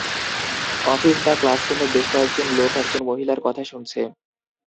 office বা ক্লাসরুমে বেশ কয়েকজন লোক একজন মহিলার কথা শুনছে